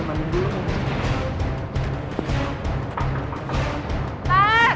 siapa sih bentar